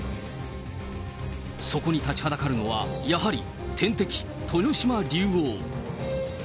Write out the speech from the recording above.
そこに立ちはだかるのは、やはり天敵、豊島竜王。